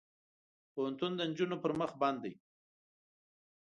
پوهنتون د نجونو پر مخ بند دی.